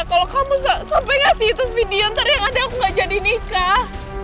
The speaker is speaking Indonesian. kalo kamu sampe ngasih itu video ntar yang ada aku ga jadi nikah